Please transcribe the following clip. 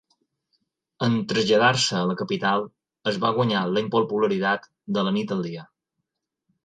En traslladar-se a la capital, es va guanyar la impopularitat de la nit al dia.